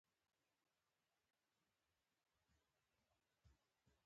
د زبېښونکو سیاسي بنسټونو نسخه د تطبیق وړ نه وه.